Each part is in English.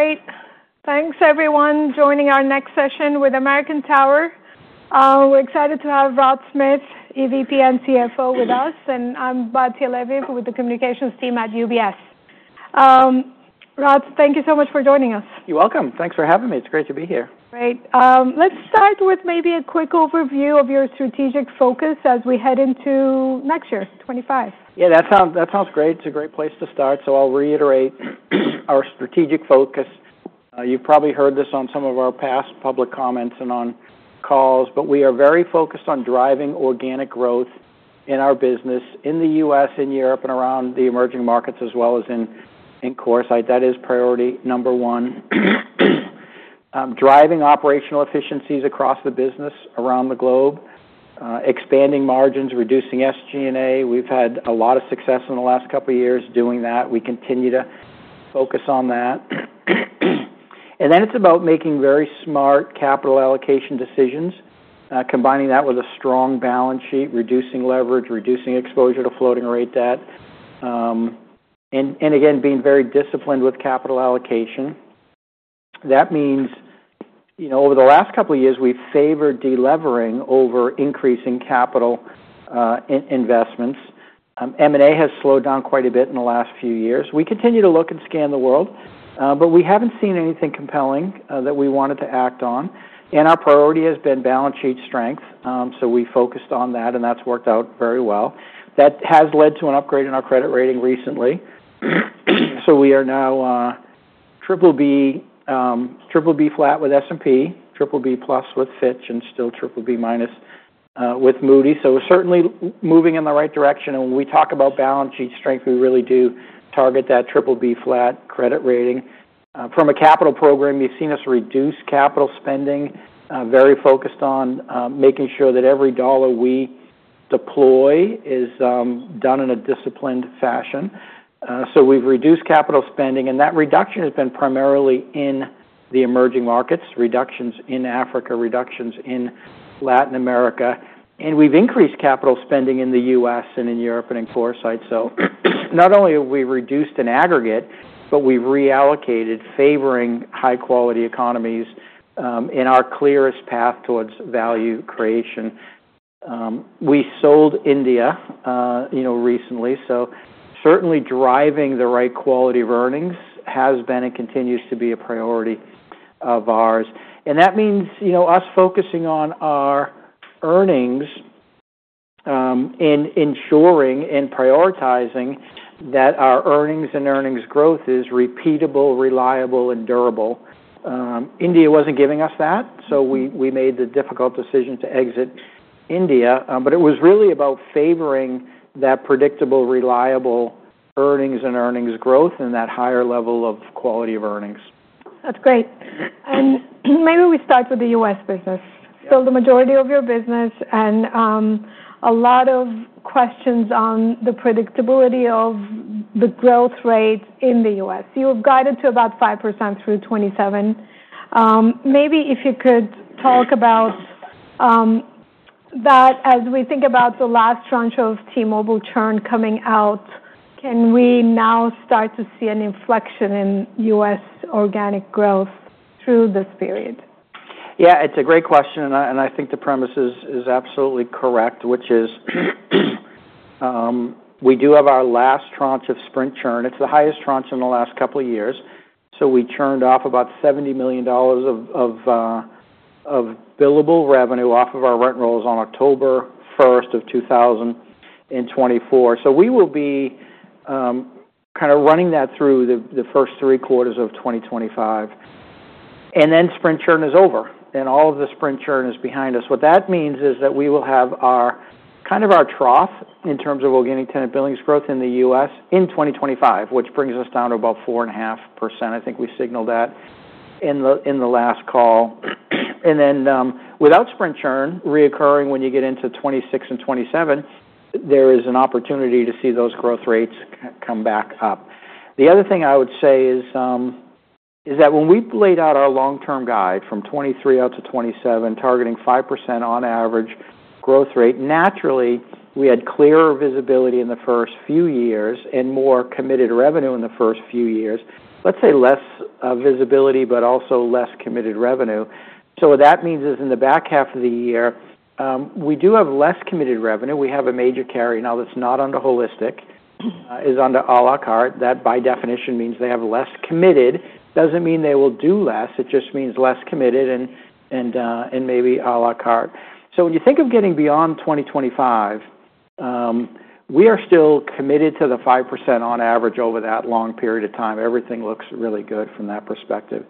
Great. Thanks, everyone, joining our next session with American Tower. We're excited to have Rod Smith, EVP and CFO, with us, and I'm Batya Levi, with the communications team at UBS. Rod, thank you so much for joining us. You're welcome. Thanks for having me. It's great to be here. Great. Let's start with maybe a quick overview of your strategic focus as we head into next year, 2025. Yeah, that sounds great. It's a great place to start. So I'll reiterate our strategic focus. You've probably heard this on some of our past public comments and on calls, but we are very focused on driving organic growth in our business in the U.S., in Europe, and around the emerging markets, as well as in CoreSite. That is priority number one. Driving operational efficiencies across the business around the globe, expanding margins, reducing SG&A. We've had a lot of success in the last couple of years doing that. We continue to focus on that. And then it's about making very smart capital allocation decisions, combining that with a strong balance sheet, reducing leverage, reducing exposure to floating rate debt, and again, being very disciplined with capital allocation. That means over the last couple of years, we've favored delivering over increasing capital investments. M&A has slowed down quite a bit in the last few years. We continue to look and scan the world, but we haven't seen anything compelling that we wanted to act on. And our priority has been balance sheet strength. So we focused on that, and that's worked out very well. That has led to an upgrade in our credit rating recently. So we are now BBB flat with S&P, BBB plus with Fitch, and still BBB minus with Moody. So we're certainly moving in the right direction. And when we talk about balance sheet strength, we really do target that BBB flat credit rating. From a capital program, you've seen us reduce capital spending, very focused on making sure that every dollar we deploy is done in a disciplined fashion. So we've reduced capital spending, and that reduction has been primarily in the emerging markets, reductions in Africa, reductions in Latin America. And we've increased capital spending in the U.S. and in Europe and in CoreSite. So not only have we reduced in aggregate, but we've reallocated, favoring high-quality economies in our clearest path towards value creation. We sold India recently. So certainly driving the right quality of earnings has been and continues to be a priority of ours. And that means us focusing on our earnings and ensuring and prioritizing that our earnings and earnings growth is repeatable, reliable, and durable. India wasn't giving us that, so we made the difficult decision to exit India. But it was really about favoring that predictable, reliable earnings and earnings growth and that higher level of quality of earnings. That's great. And maybe we start with the U.S. business. So the majority of your business and a lot of questions on the predictability of the growth rate in the U.S. You have guided to about 5% through 2027. Maybe if you could talk about that as we think about the last tranche of T-Mobile churn coming out, can we now start to see an inflection in U.S. organic growth through this period? Yeah, it's a great question, and I think the premise is absolutely correct, which is we do have our last tranche of Sprint churn. It's the highest tranche in the last couple of years, so we churned off about $70 million of billable revenue off of our rent rolls on October 1st of 2024, so we will be kind of running that through the first three quarters of 2025, and then Sprint churn is over, and all of the Sprint churn is behind us. What that means is that we will have kind of our trough in terms of organic tenant billings growth in the U.S. in 2025, which brings us down to about 4.5%. I think we signaled that in the last call, and then without Sprint churn recurring when you get into 2026 and 2027, there is an opportunity to see those growth rates come back up. The other thing I would say is that when we laid out our long-term guide from 2023 out to 2027, targeting 5% on average growth rate, naturally, we had clearer visibility in the first few years and more committed revenue in the first few years. Let's say less visibility, but also less committed revenue. So what that means is in the back half of the year, we do have less committed revenue. We have a major carrier now that's not under holistic, is under à la carte. That by definition means they have less committed. Doesn't mean they will do less. It just means less committed and maybe à la carte. So when you think of getting beyond 2025, we are still committed to the 5% on average over that long period of time. Everything looks really good from that perspective.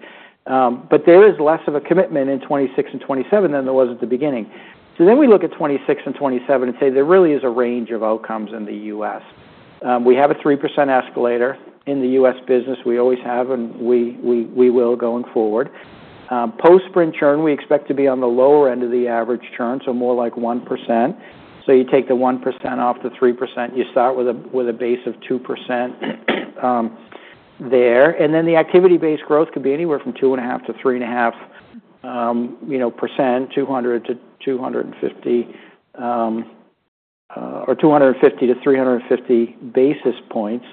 But there is less of a commitment in 2026 and 2027 than there was at the beginning. So then we look at 2026 and 2027 and say there really is a range of outcomes in the U.S. We have a 3% escalator in the U.S. business. We always have and we will going forward. Post-Sprint churn, we expect to be on the lower end of the average churn, so more like 1%. So you take the 1% off the 3%. You start with a base of 2% there. And then the activity-based growth could be anywhere from 2.5%-3.5%, 200-250 or 250 basis points-350 basis points,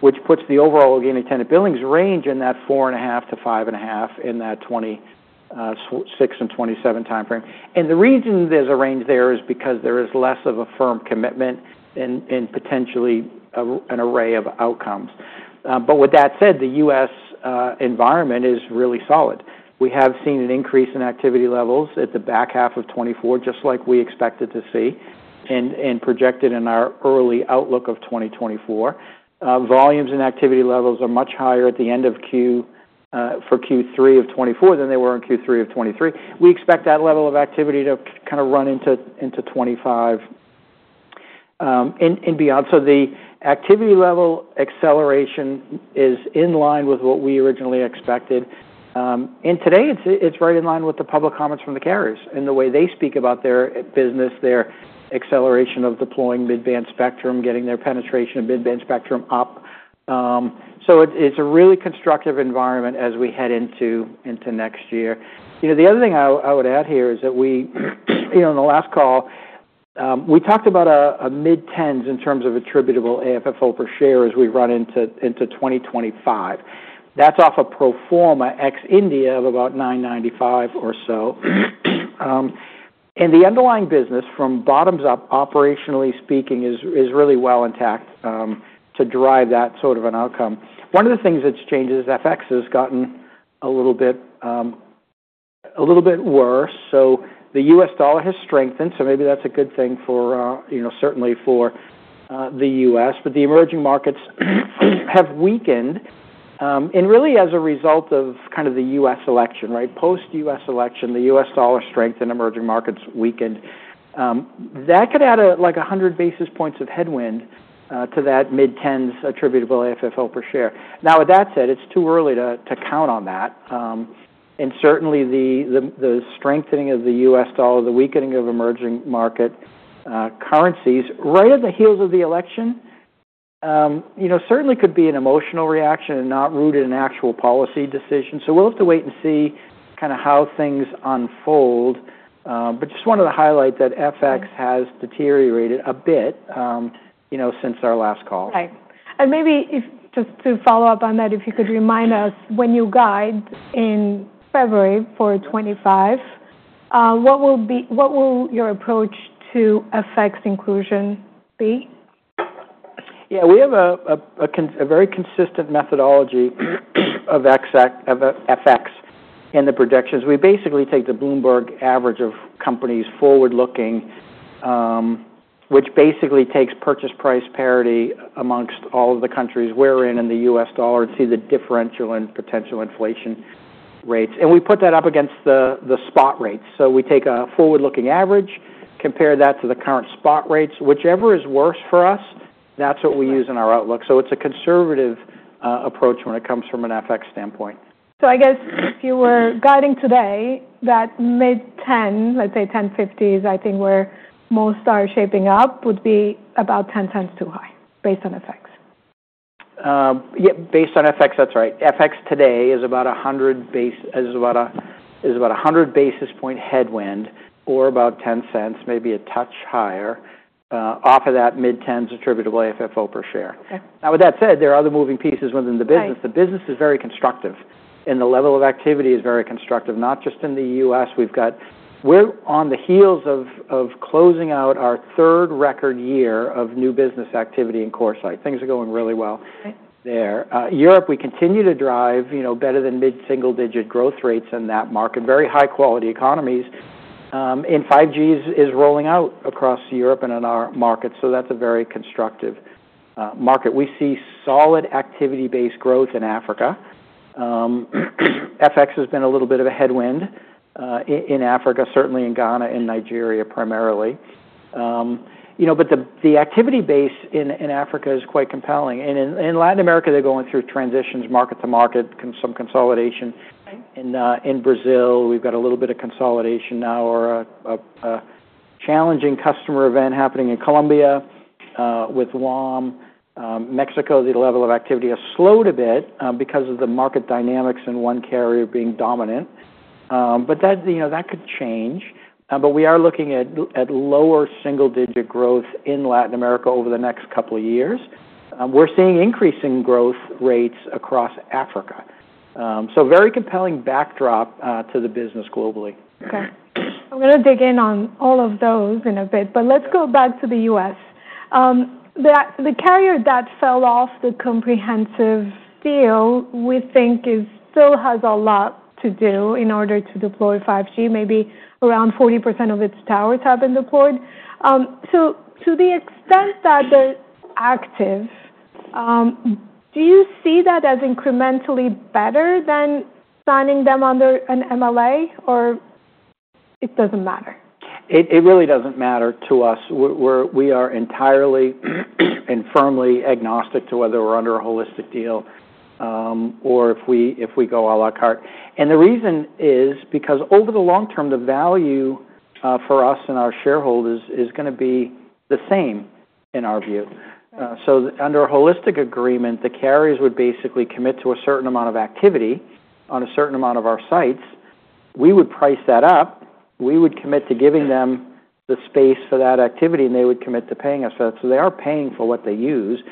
which puts the overall organic tenant billings range in that 4.5%-5.5% in that 2026 and 2027 timeframe. And the reason there's a range there is because there is less of a firm commitment and potentially an array of outcomes. With that said, the U.S. environment is really solid. We have seen an increase in activity levels at the back half of 2024, just like we expected to see and projected in our early outlook of 2024. Volumes and activity levels are much higher at the end of Q3 of 2024 than they were in Q3 of 2023. We expect that level of activity to kind of run into 2025 and beyond. The activity level acceleration is in line with what we originally expected. Today, it's right in line with the public comments from the carriers and the way they speak about their business, their acceleration of deploying mid-band spectrum, getting their penetration of mid-band spectrum up. It's a really constructive environment as we head into next year. The other thing I would add here is that in the last call, we talked about a mid-10s in terms of attributable AFFO per share as we run into 2025. That's off a pro forma ex India of about 995 or so, and the underlying business from bottoms up, operationally speaking, is really well intact to drive that sort of an outcome. One of the things that's changed is FX has gotten a little bit worse, so the US dollar has strengthened, so maybe that's a good thing, certainly for the U.S. But the emerging markets have weakened and really as a result of kind of the US election, right? Post-US election, the US dollar strength and emerging markets weakened. That could add like 100 basis points of headwind to that mid-10s attributable AFFO per share. Now, with that said, it's too early to count on that. And certainly, the strengthening of the US dollar, the weakening of emerging market currencies right at the heels of the election certainly could be an emotional reaction and not rooted in actual policy decisions. So we'll have to wait and see kind of how things unfold. But just wanted to highlight that FX has deteriorated a bit since our last call. Right, and maybe just to follow up on that, if you could remind us, when you guide in February for 2025, what will your approach to FX inclusion be? Yeah, we have a very consistent methodology of FX in the projections. We basically take the Bloomberg average of companies forward-looking, which basically takes purchase price parity amongst all of the countries we're in and the U.S. dollar and see the differential in potential inflation rates. And we put that up against the spot rates. So we take a forward-looking average, compare that to the current spot rates. Whichever is worse for us, that's what we use in our outlook. So it's a conservative approach when it comes from an FX standpoint. I guess if you were guiding today, that mid-10s, let's say 10.50s, I think where most are shaping up would be about $0.10 too high based on FX. Yeah, based on FX, that's right. FX today is about 100 basis points headwind or about $0.10, maybe a touch higher off of that mid-10s attributable AFFO per share. Now, with that said, there are other moving pieces within the business. The business is very constructive, and the level of activity is very constructive, not just in the US. We're on the heels of closing out our third record year of new business activity in CoreSite. Things are going really well there. Europe, we continue to drive better than mid-single-digit growth rates in that market. Very high-quality economies and 5G is rolling out across Europe and in our market. So that's a very constructive market. We see solid activity-based growth in Africa. FX has been a little bit of a headwind in Africa, certainly in Ghana and Nigeria primarily. But the activity base in Africa is quite compelling. In Latin America, they're going through transitions, market to market, some consolidation. In Brazil, we've got a little bit of consolidation now or a challenging customer event happening in Colombia with WOM. Mexico, the level of activity has slowed a bit because of the market dynamics and one carrier being dominant. But that could change. We are looking at lower single-digit growth in Latin America over the next couple of years. We're seeing increasing growth rates across Africa. So very compelling backdrop to the business globally. Okay. I'm going to dig in on all of those in a bit, but let's go back to the U.S. The carrier that fell off the comprehensive deal, we think still has a lot to do in order to deploy 5G. Maybe around 40% of its towers have been deployed. So to the extent that they're active, do you see that as incrementally better than signing them under an MLA, or it doesn't matter? It really doesn't matter to us. We are entirely and firmly agnostic to whether we're under a holistic deal or if we go à la carte, and the reason is because over the long term, the value for us and our shareholders is going to be the same in our view, so under a holistic agreement, the carriers would basically commit to a certain amount of activity on a certain amount of our sites. We would price that up. We would commit to giving them the space for that activity, and they would commit to paying us for that, so they are paying for what they use.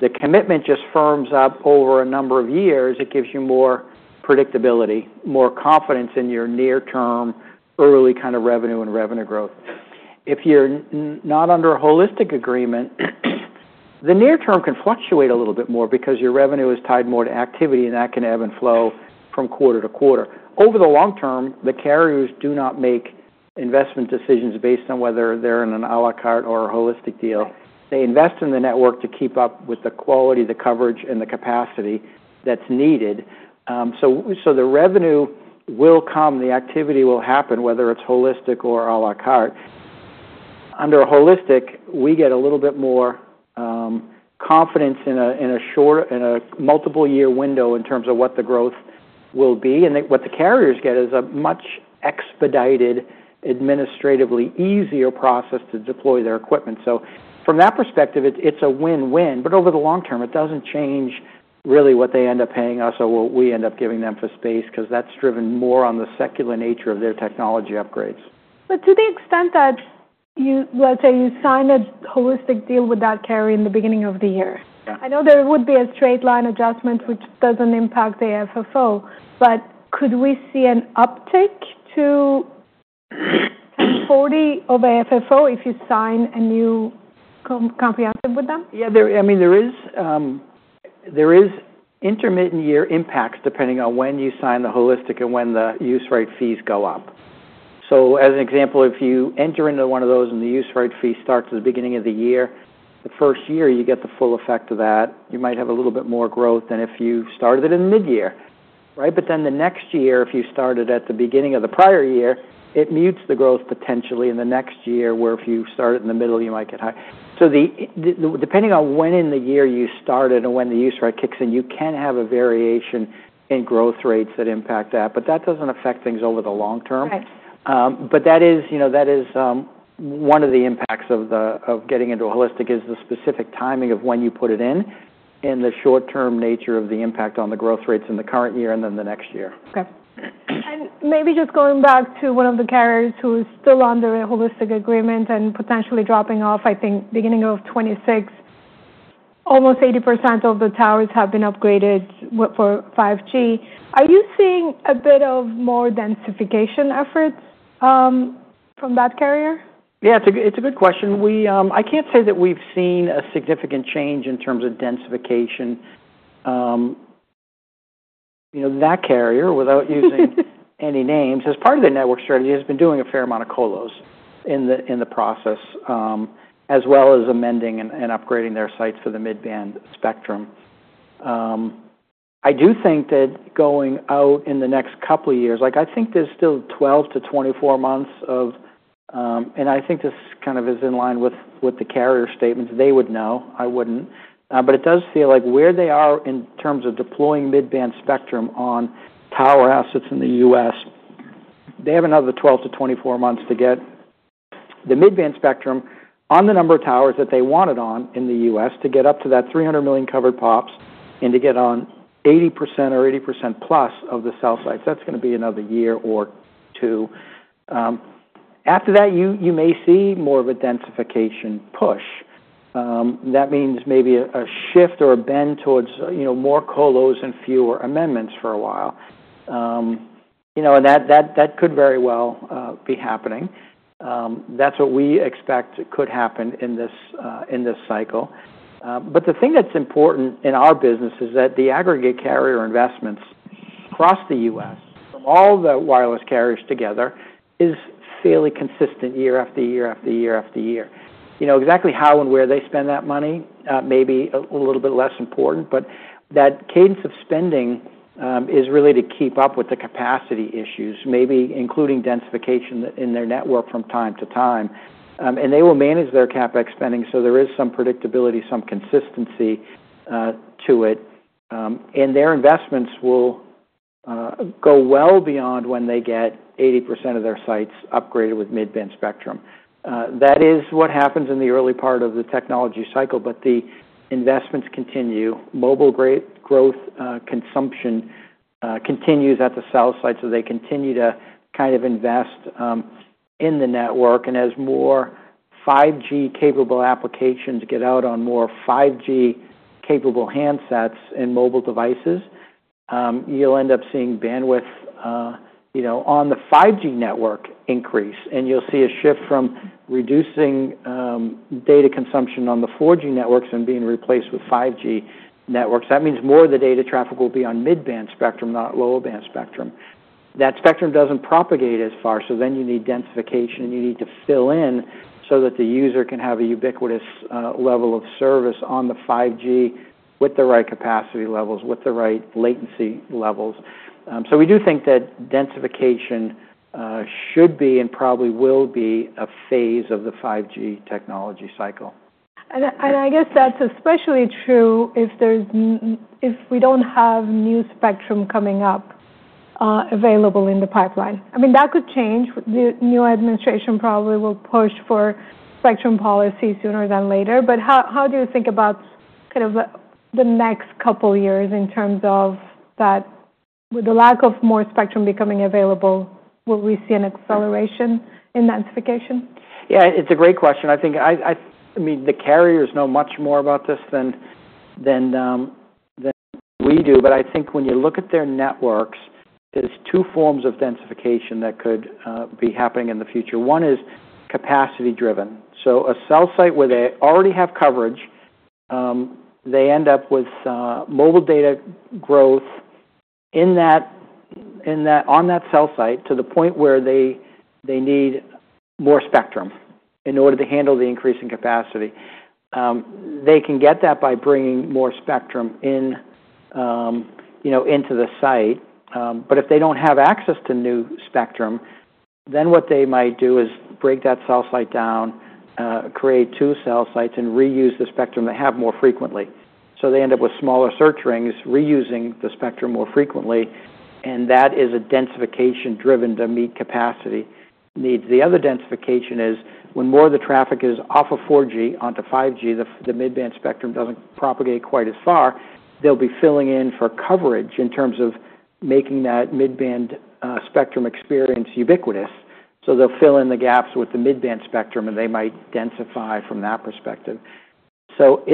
The commitment just firms up over a number of years. It gives you more predictability, more confidence in your near-term, early kind of revenue and revenue growth. If you're not under a holistic agreement, the near-term can fluctuate a little bit more because your revenue is tied more to activity, and that can ebb and flow from quarter to quarter. Over the long term, the carriers do not make investment decisions based on whether they're in an à la carte or a holistic deal. They invest in the network to keep up with the quality, the coverage, and the capacity that's needed. So the revenue will come. The activity will happen, whether it's holistic or à la carte. Under a holistic, we get a little bit more confidence in a multiple-year window in terms of what the growth will be. And what the carriers get is a much expedited, administratively easier process to deploy their equipment. So from that perspective, it's a win-win. But over the long term, it doesn't change really what they end up paying us or what we end up giving them for space because that's driven more on the secular nature of their technology upgrades. But to the extent that, let's say you sign a holistic deal with that carrier in the beginning of the year, I know there would be a straight line adjustment, which doesn't impact the AFFO. But could we see an uptick to $1.04 of AFFO if you sign a new comprehensive with them? Yeah, I mean, there is intermittent year impacts depending on when you sign the holistic and when the use rate fees go up, so as an example, if you enter into one of those and the use rate fee starts at the beginning of the year, the first year, you get the full effect of that. You might have a little bit more growth than if you started it in mid-year, right, but then the next year, if you started at the beginning of the prior year, it mutes the growth potentially in the next year where if you start it in the middle, you might get high, so depending on when in the year you start it and when the use rate kicks in, you can have a variation in growth rates that impact that, but that doesn't affect things over the long term. But that is one of the impacts of getting into a holistic is the specific timing of when you put it in and the short-term nature of the impact on the growth rates in the current year and then the next year. Okay. And maybe just going back to one of the carriers who is still under a holistic agreement and potentially dropping off, I think beginning of 2026, almost 80% of the towers have been upgraded for 5G. Are you seeing a bit of more densification efforts from that carrier? Yeah, it's a good question. I can't say that we've seen a significant change in terms of densification. That carrier, without using any names, as part of their network strategy, has been doing a fair amount of colos in the process as well as amending and upgrading their sites for the mid-band spectrum. I do think that going out in the next couple of years, I think there's still 12 months-24 months of, and I think this kind of is in line with the carrier statements. They would know. I wouldn't. But it does feel like where they are in terms of deploying mid-band spectrum on tower assets in the U.S., they have another 12 months-24 months to get the mid-band spectrum on the number of towers that they wanted on in the U.S. to get up to that 300 million covered POPs and to get on 80% or 80% plus of the cell sites. That's going to be another year or two. After that, you may see more of a densification push. That means maybe a shift or a bend towards more colos and fewer amendments for a while. And that could very well be happening. That's what we expect could happen in this cycle. But the thing that's important in our business is that the aggregate carrier investments across the U.S. from all the wireless carriers together is fairly consistent year after year after year after year. Exactly how and where they spend that money may be a little bit less important, but that cadence of spending is really to keep up with the capacity issues, maybe including densification in their network from time to time. And they will manage their CapEx spending, so there is some predictability, some consistency to it. And their investments will go well beyond when they get 80% of their sites upgraded with mid-band spectrum. That is what happens in the early part of the technology cycle, but the investments continue. Mobile growth consumption continues at the cell sites, so they continue to kind of invest in the network. And as more 5G-capable applications get out on more 5G-capable handsets and mobile devices, you'll end up seeing bandwidth on the 5G network increase, and you'll see a shift from reducing data consumption on the 4G networks and being replaced with 5G networks. That means more of the data traffic will be on mid-band spectrum, not lower-band spectrum. That spectrum doesn't propagate as far, so then you need densification, and you need to fill in so that the user can have a ubiquitous level of service on the 5G with the right capacity levels, with the right latency levels. So we do think that densification should be and probably will be a phase of the 5G technology cycle. And I guess that's especially true if we don't have new spectrum coming up available in the pipeline. I mean, that could change. The new administration probably will push for spectrum policy sooner than later. But how do you think about kind of the next couple of years in terms of that, with the lack of more spectrum becoming available, will we see an acceleration in densification? Yeah, it's a great question. I think, I mean, the carriers know much more about this than we do, but I think when you look at their networks, there's two forms of densification that could be happening in the future. One is capacity-driven. So a cell site where they already have coverage, they end up with mobile data growth on that cell site to the point where they need more spectrum in order to handle the increase in capacity. They can get that by bringing more spectrum into the site. But if they don't have access to new spectrum, then what they might do is break that cell site down, create two cell sites, and reuse the spectrum they have more frequently. So they end up with smaller search rings reusing the spectrum more frequently, and that is a densification driven to meet capacity needs. The other densification is when more of the traffic is off of 4G onto 5G, the mid-band spectrum doesn't propagate quite as far. They'll be filling in for coverage in terms of making that mid-band spectrum experience ubiquitous. So they'll fill in the gaps with the mid-band spectrum, and they might densify from that perspective. So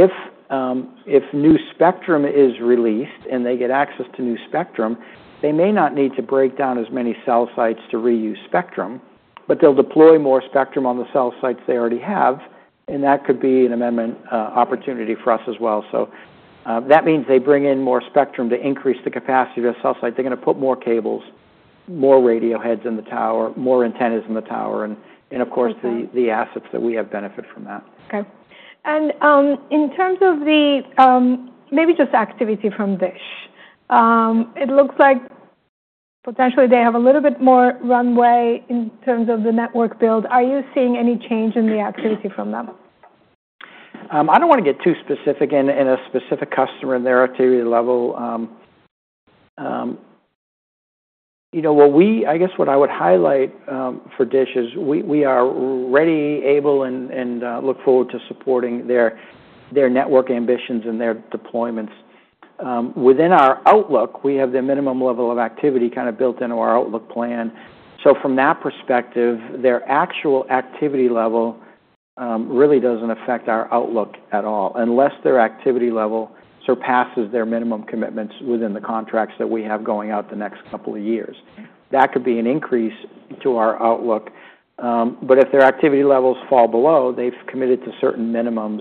if new spectrum is released and they get access to new spectrum, they may not need to break down as many cell sites to reuse spectrum, but they'll deploy more spectrum on the cell sites they already have, and that could be an amendment opportunity for us as well. So that means they bring in more spectrum to increase the capacity of their cell site. They're going to put more cables, more radio heads in the tower, more antennas in the tower, and of course, the assets that we have benefit from that. Okay. And in terms of the maybe just activity from DISH, it looks like potentially they have a little bit more runway in terms of the network build. Are you seeing any change in the activity from them? I don't want to get too specific in a specific customer and their activity level. I guess what I would highlight for DISH is we are ready, able, and look forward to supporting their network ambitions and their deployments. Within our outlook, we have the minimum level of activity kind of built into our outlook plan. So from that perspective, their actual activity level really doesn't affect our outlook at all unless their activity level surpasses their minimum commitments within the contracts that we have going out the next couple of years. That could be an increase to our outlook. But if their activity levels fall below, they've committed to certain minimums.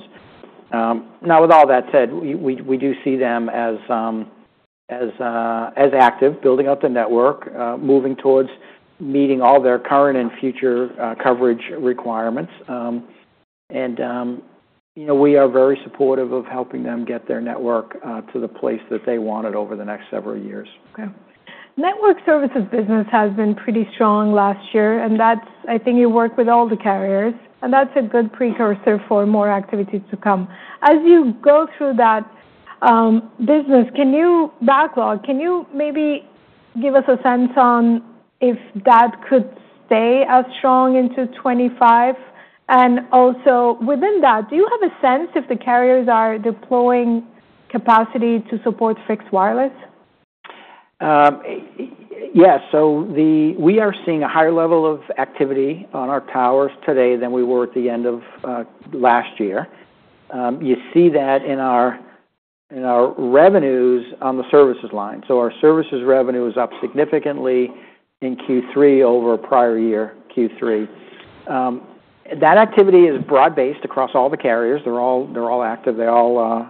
Now, with all that said, we do see them as active building up the network, moving towards meeting all their current and future coverage requirements. We are very supportive of helping them get their network to the place that they want it over the next several years. Okay. Network services business has been pretty strong last year, and I think you work with all the carriers, and that's a good precursor for more activities to come. As you go through that business, can you backlog? Can you maybe give us a sense on if that could stay as strong into 2025? And also within that, do you have a sense if the carriers are deploying capacity to support fixed wireless? Yes. So we are seeing a higher level of activity on our towers today than we were at the end of last year. You see that in our revenues on the services line. So our services revenue is up significantly in Q3 over a prior year, Q3. That activity is broad-based across all the carriers. They're all active. They're all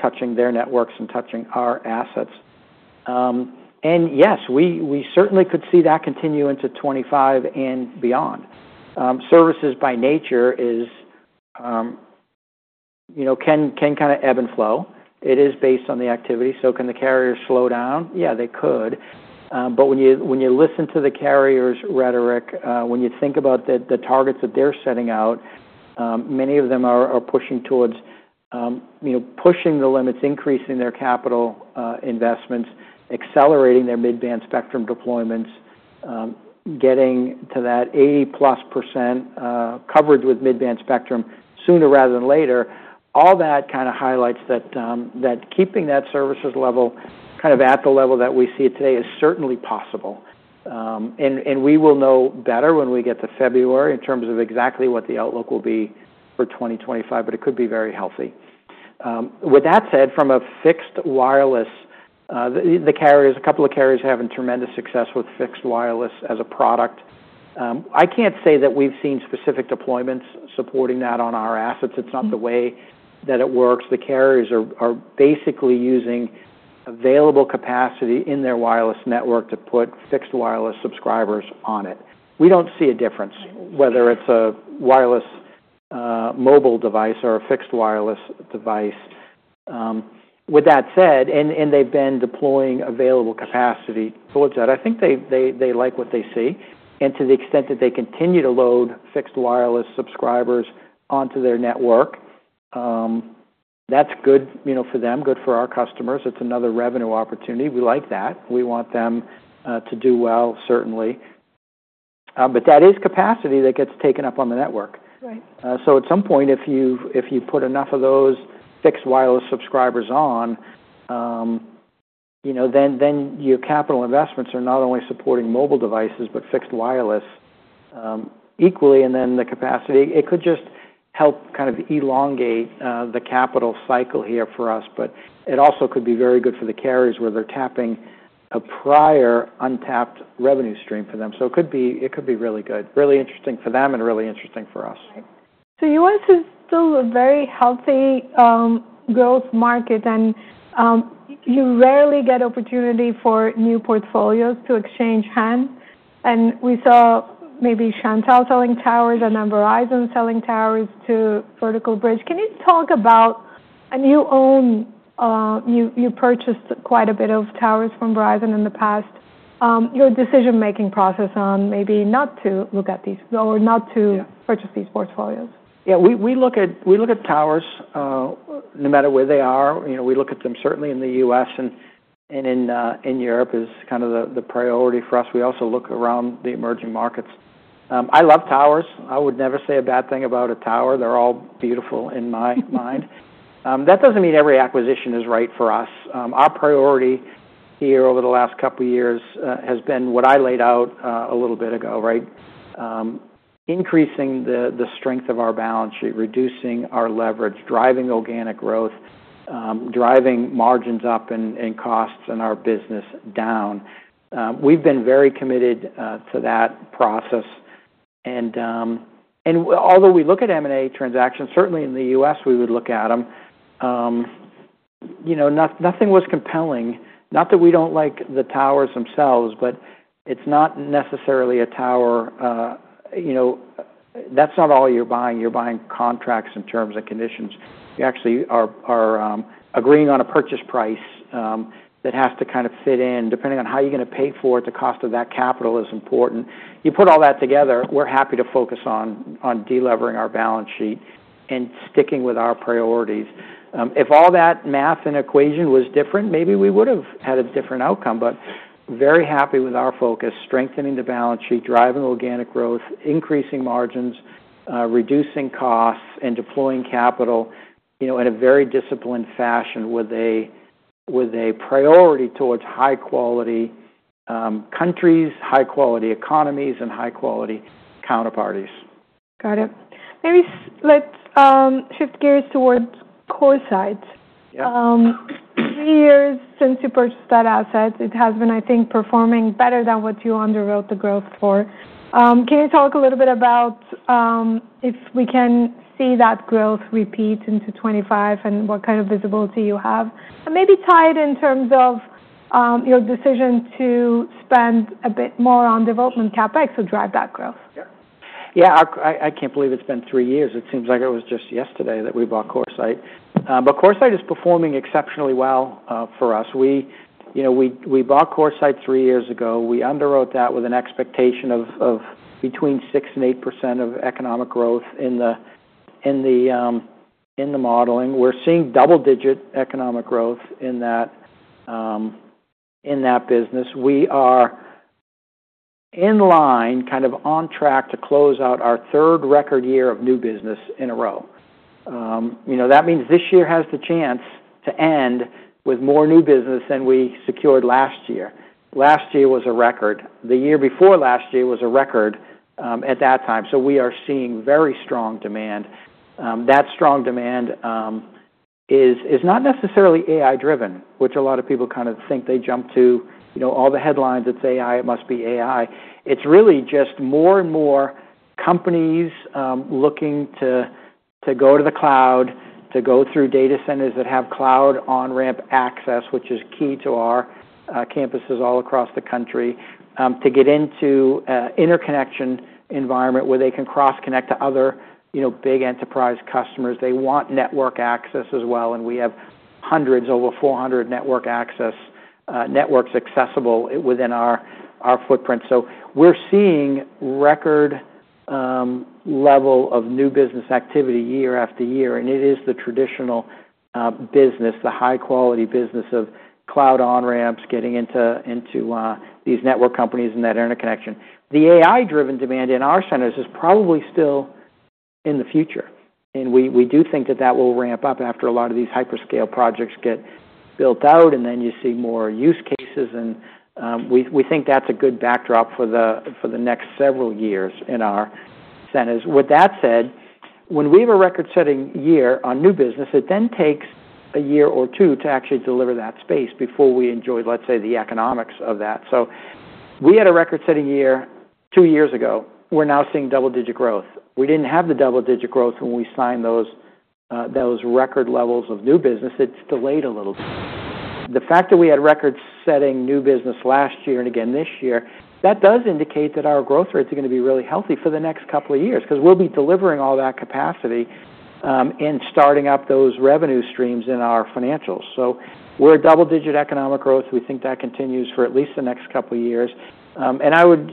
touching their networks and touching our assets. And yes, we certainly could see that continue into 2025 and beyond. Services by nature can kind of ebb and flow. It is based on the activity. So can the carriers slow down? Yeah, they could. But when you listen to the carriers' rhetoric, when you think about the targets that they're setting out, many of them are pushing towards pushing the limits, increasing their capital investments, accelerating their mid-band spectrum deployments, getting to that 80+% coverage with mid-band spectrum sooner rather than later. All that kind of highlights that keeping that services level kind of at the level that we see it today is certainly possible. And we will know better when we get to February in terms of exactly what the outlook will be for 2025, but it could be very healthy. With that said, from a fixed wireless, a couple of carriers are having tremendous success with fixed wireless as a product. I can't say that we've seen specific deployments supporting that on our assets. It's not the way that it works. The carriers are basically using available capacity in their wireless network to put fixed wireless subscribers on it. We don't see a difference whether it's a wireless mobile device or a fixed wireless device. With that said, and they've been deploying available capacity towards that, I think they like what they see, and to the extent that they continue to load fixed wireless subscribers onto their network, that's good for them, good for our customers. It's another revenue opportunity. We like that. We want them to do well, certainly, but that is capacity that gets taken up on the network, so at some point, if you put enough of those fixed wireless subscribers on, then your capital investments are not only supporting mobile devices, but fixed wireless equally, and then the capacity. It could just help kind of elongate the capital cycle here for us, but it also could be very good for the carriers where they're tapping a prior untapped revenue stream for them. So it could be really good, really interesting for them and really interesting for us. U.S. is still a very healthy growth market, and you rarely get opportunity for new portfolios to exchange hands. And we saw maybe Shentel selling towers and then Verizon selling towers to Vertical Bridge. Can you talk about you purchased quite a bit of towers from Verizon in the past. Your decision-making process on maybe not to look at these or not to purchase these portfolios? Yeah. We look at towers no matter where they are. We look at them certainly in the U.S., and in Europe is kind of the priority for us. We also look around the emerging markets. I love towers. I would never say a bad thing about a tower. They're all beautiful in my mind. That doesn't mean every acquisition is right for us. Our priority here over the last couple of years has been what I laid out a little bit ago, right? Increasing the strength of our balance sheet, reducing our leverage, driving organic growth, driving margins up and costs in our business down. We've been very committed to that process, and although we look at M&A transactions, certainly in the U.S., we would look at them. Nothing was compelling. Not that we don't like the towers themselves, but it's not necessarily a tower that's not all you're buying. You're buying contracts and terms and conditions. You actually are agreeing on a purchase price that has to kind of fit in. Depending on how you're going to pay for it, the cost of that capital is important. You put all that together, we're happy to focus on delivering our balance sheet and sticking with our priorities. If all that math and equation was different, maybe we would have had a different outcome, but very happy with our focus, strengthening the balance sheet, driving organic growth, increasing margins, reducing costs, and deploying capital in a very disciplined fashion with a priority towards high-quality countries, high-quality economies, and high-quality counterparties. Got it. Maybe let's shift gears toward CoreSite. Three years since you purchased that asset, it has been, I think, performing better than what you underwrote the growth for. Can you talk a little bit about if we can see that growth repeat into 2025 and what kind of visibility you have? And maybe tie it in terms of your decision to spend a bit more on development CapEx to drive that growth. Yeah. I can't believe it's been three years. It seems like it was just yesterday that we bought CoreSite. But CoreSite is performing exceptionally well for us. We bought CoreSite three years ago. We underwrote that with an expectation of between 6% and 8% of economic growth in the modeling. We're seeing double-digit economic growth in that business. We are in line, kind of on track to close out our third record year of new business in a row. That means this year has the chance to end with more new business than we secured last year. Last year was a record. The year before last year was a record at that time. So we are seeing very strong demand. That strong demand is not necessarily AI-driven, which a lot of people kind of think they jump to. All the headlines, it's AI, it must be AI. It's really just more and more companies looking to go to the cloud, to go through data centers that have cloud on-ramp access, which is key to our campuses all across the country, to get into an interconnection environment where they can cross-connect to other big enterprise customers. They want network access as well, and we have hundreds, over 400 network access networks accessible within our footprint. So we're seeing record level of new business activity year after year, and it is the traditional business, the high-quality business of cloud on-ramps, getting into these network companies and that interconnection. The AI-driven demand in our centers is probably still in the future, and we do think that that will ramp up after a lot of these hyperscale projects get built out, and then you see more use cases. We think that's a good backdrop for the next several years in our centers. With that said, when we have a record-setting year on new business, it then takes a year or two to actually deliver that space before we enjoy, let's say, the economics of that. We had a record-setting year two years ago. We're now seeing double-digit growth. We didn't have the double-digit growth when we signed those record levels of new business. It's delayed a little bit. The fact that we had record-setting new business last year and again this year, that does indicate that our growth rate is going to be really healthy for the next couple of years because we'll be delivering all that capacity and starting up those revenue streams in our financials. We're a double-digit economic growth. We think that continues for at least the next couple of years. I would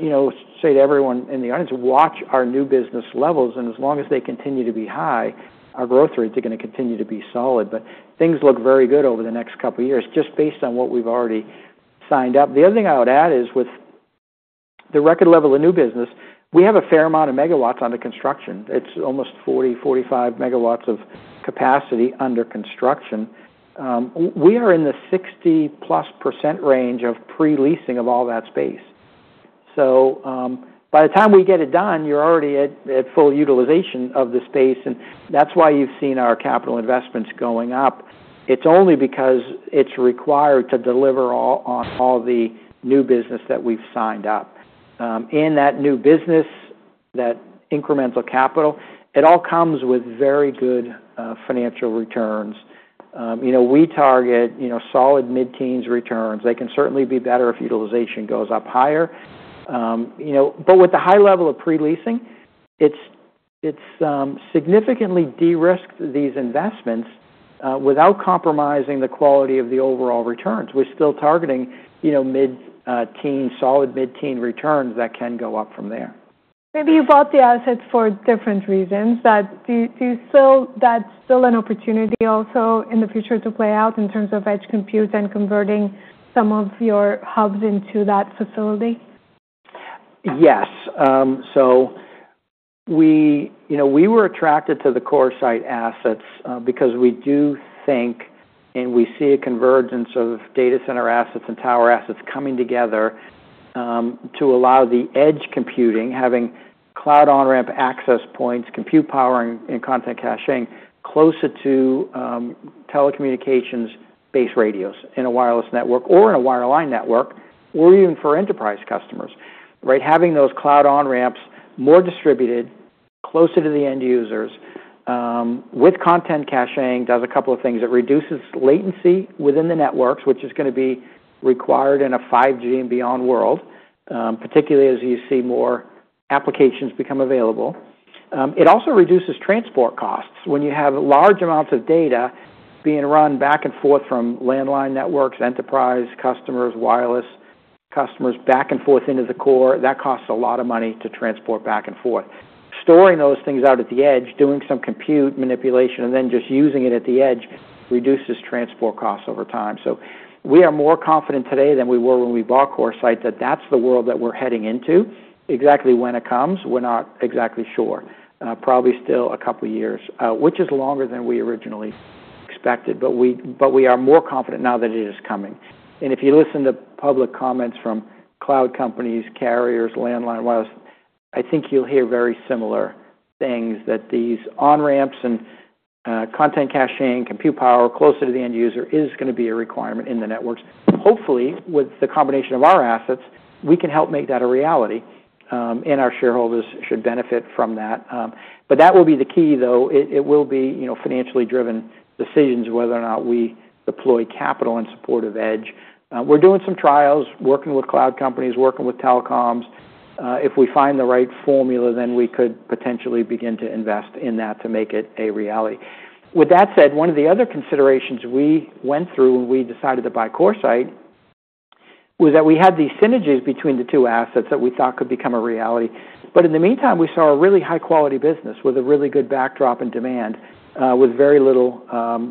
say to everyone in the audience, watch our new business levels. And as long as they continue to be high, our growth rates are going to continue to be solid. But things look very good over the next couple of years just based on what we've already signed up. The other thing I would add is with the record level of new business, we have a fair amount of megawatts under construction. It's almost 40 MW-45 MW of capacity under construction. We are in the 60-plus percentage range of pre-leasing of all that space. So by the time we get it done, you're already at full utilization of the space, and that's why you've seen our capital investments going up. It's only because it's required to deliver on all the new business that we've signed up. In that new business, that incremental capital, it all comes with very good financial returns. We target solid mid-teens returns. They can certainly be better if utilization goes up higher. But with the high level of pre-leasing, it's significantly de-risked these investments without compromising the quality of the overall returns. We're still targeting solid mid-teens returns that can go up from there. Maybe you bought the assets for different reasons. But that's still an opportunity also in the future to play out in terms of edge compute and converting some of your hubs into that facility? Yes. So we were attracted to the CoreSite assets because we do think and we see a convergence of data center assets and tower assets coming together to allow the edge computing, having cloud on-ramp access points, compute power, and content caching closer to telecommunications-based radios in a wireless network or in a wireline network or even for enterprise customers, right? Having those cloud on-ramps more distributed, closer to the end users with content caching does a couple of things. It reduces latency within the networks, which is going to be required in a 5G and beyond world, particularly as you see more applications become available. It also reduces transport costs. When you have large amounts of data being run back and forth from landline networks, enterprise customers, wireless customers back and forth into the core, that costs a lot of money to transport back and forth. Storing those things out at the edge, doing some compute manipulation, and then just using it at the edge reduces transport costs over time. So we are more confident today than we were when we bought CoreSite that that's the world that we're heading into. Exactly when it comes, we're not exactly sure. Probably still a couple of years, which is longer than we originally expected, but we are more confident now that it is coming. And if you listen to public comments from cloud companies, carriers, landline, wireless, I think you'll hear very similar things that these on-ramps and content caching, compute power closer to the end user is going to be a requirement in the networks. Hopefully, with the combination of our assets, we can help make that a reality, and our shareholders should benefit from that. But that will be the key, though. It will be financially driven decisions whether or not we deploy capital in support of edge. We're doing some trials, working with cloud companies, working with telecoms. If we find the right formula, then we could potentially begin to invest in that to make it a reality. With that said, one of the other considerations we went through when we decided to buy CoreSite was that we had these synergies between the two assets that we thought could become a reality. But in the meantime, we saw a really high-quality business with a really good backdrop and demand with very little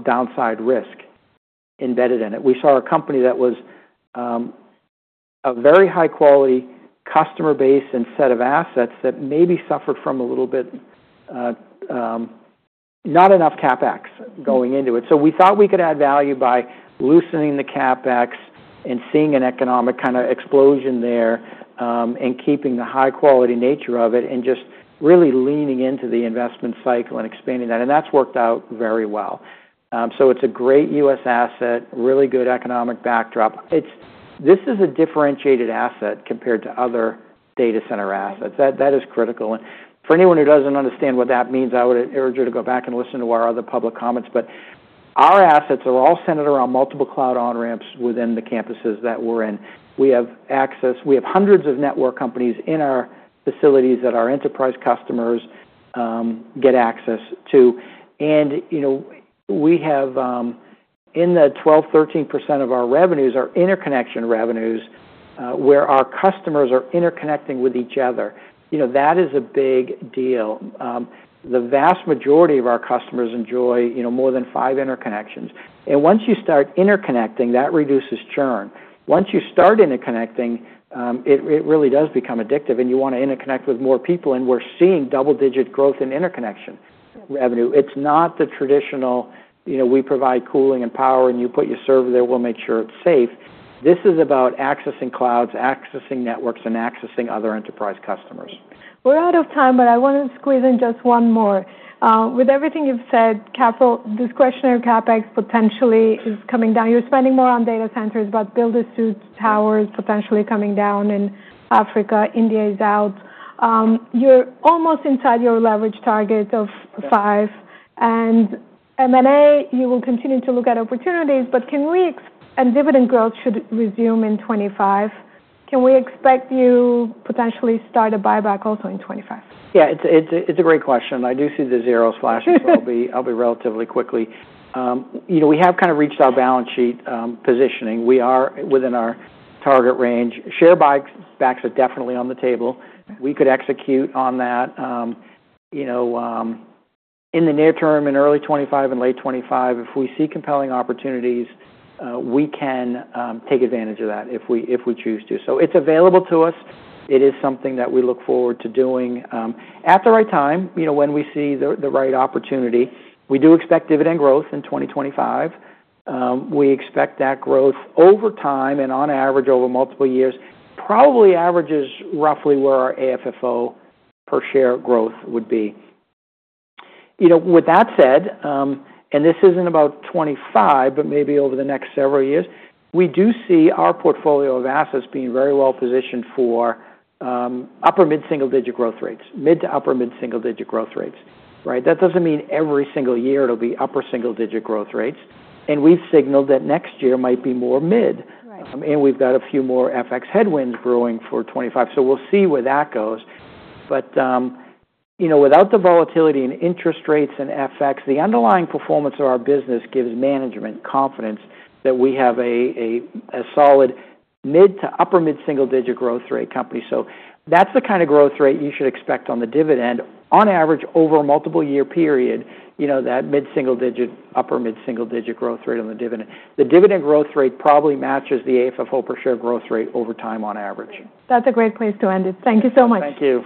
downside risk embedded in it. We saw a company that was a very high-quality customer base and set of assets that maybe suffered from a little bit not enough CapEx going into it. So we thought we could add value by loosening the CapEx and seeing an economic kind of explosion there and keeping the high-quality nature of it and just really leaning into the investment cycle and expanding that. And that's worked out very well. So it's a great US asset, really good economic backdrop. This is a differentiated asset compared to other data center assets. That is critical. And for anyone who doesn't understand what that means, I would urge you to go back and listen to our other public comments. But our assets are all centered around multiple cloud on-ramps within the campuses that we're in. We have access. We have hundreds of network companies in our facilities that our enterprise customers get access to. And we have in the 12%-13% of our revenues, our interconnection revenues, where our customers are interconnecting with each other. That is a big deal. The vast majority of our customers enjoy more than five interconnections. And once you start interconnecting, that reduces churn. Once you start interconnecting, it really does become addictive, and you want to interconnect with more people. And we're seeing double-digit growth in interconnection revenue. It's not the traditional, "We provide cooling and power, and you put your server there. We'll make sure it's safe." This is about accessing clouds, accessing networks, and accessing other enterprise customers. We're out of time, but I want to squeeze in just one more. With everything you've said, this question of CapEx potentially is coming down. You're spending more on data centers, but build-to-suit towers potentially coming down in Africa. India is out. You're almost inside your leverage target of 5. And M&A, you will continue to look at opportunities, but can we and dividend growth should resume in 2025. Can we expect you potentially start a buyback also in 2025? Yeah. It's a great question. I do see the zero flashes, but I'll be relatively quickly. We have kind of reached our balance sheet positioning. We are within our target range. Share buybacks are definitely on the table. We could execute on that in the near term, in early 2025 and late 2025. If we see compelling opportunities, we can take advantage of that if we choose to. So it's available to us. It is something that we look forward to doing at the right time when we see the right opportunity. We do expect dividend growth in 2025. We expect that growth over time and on average over multiple years probably averages roughly where our AFFO per share growth would be. With that said, and this isn't about 2025, but maybe over the next several years, we do see our portfolio of assets being very well positioned for upper mid-single-digit growth rates, mid to upper mid-single-digit growth rates, right? That doesn't mean every single year it'll be upper single-digit growth rates. And we've signaled that next year might be more mid. And we've got a few more FX headwinds brewing for 2025. So we'll see where that goes. But without the volatility in interest rates and FX, the underlying performance of our business gives management confidence that we have a solid mid to upper mid-single-digit growth rate company. So that's the kind of growth rate you should expect on the dividend on average over a multiple-year period, that mid-single-digit, upper mid-single-digit growth rate on the dividend. The dividend growth rate probably matches the AFFO per share growth rate over time on average. That's a great place to end it. Thank you so much. Thank you.